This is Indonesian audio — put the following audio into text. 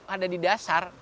ada di dasar